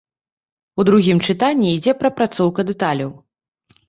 У другім чытанні ідзе прапрацоўка дэталяў.